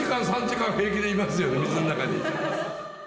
水の中に。